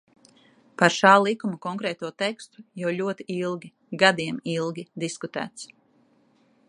Par šā likuma konkrēto tekstu jau ļoti ilgi, gadiem ilgi, diskutēts.